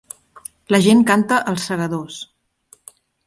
La gent canta ‘Els segadors’